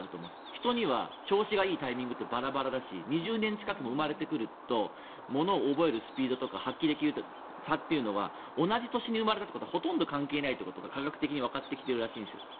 人には調子がいいタイミングってバラバラだと思うし２０年近く生まれてくる差があるとものを覚えるスピードとか発揮できる差というのは同じ年に生まれるということはほとんど関係ないということが科学的にわかってきているらしいんです。